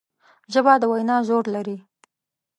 ژبه د وینا زور لري